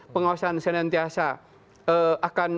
pengawasan senantiasa akan